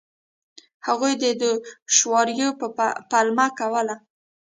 هغوی د دوشواریو پلمه کوله.